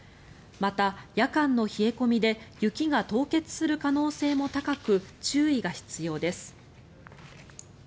また、夜間の冷え込みで雪が凍結する可能性も高く注意が必要です。